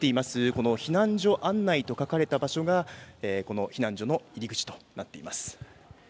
この避難所案内と書かれた場所がこの避難所の入り口となっています。